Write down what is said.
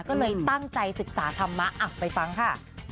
ก็เลยตั้งใจศึกษาธรรมะไปฟังค่ะ